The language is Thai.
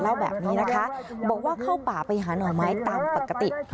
เล่าแบบนี้นะคะบอกว่าเข้าป่าไปหาหน่อไม้ตามปกติ